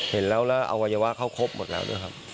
เห็นแล้วแล้วอวัยวะเขาครบหมดแล้วด้วยครับ